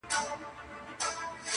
سیوری د ولي خوب د پېغلي پر ورنونه!.